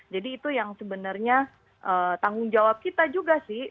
jadi itu yang sebenarnya tanggung jawab kita juga sih